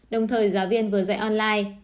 đồng thời giáo viên vừa dạy online